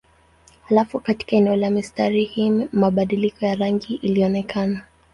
Halafu katika eneo la mistari hii mabadiliko ya rangi ilionekana.